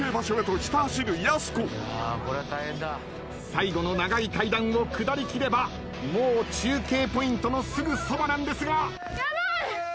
最後の長い階段を下りきればもう中継ポイントのすぐそばなんですが。